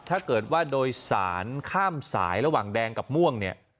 ถ้าเกิดว่าโดยสารข้ามสายระหว่างแดงกับม่วงเนี่ย